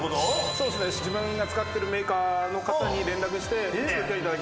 そうっすね自分が使ってるメーカーの方に連絡して作っていただきました。